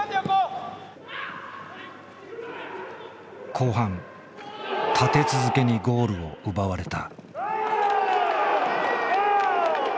後半立て続けにゴールを奪われた。